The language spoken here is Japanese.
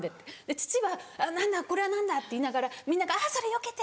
父は「何だ⁉これは何だ⁉」って言いながらみんなが「それよけて！